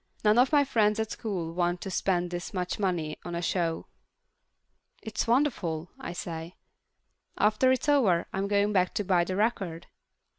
None of my friends at school want to spend this much money on a show." "It's wonderful," I say. "After it's over, I'm going back to buy the record."